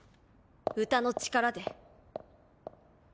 歌の力で。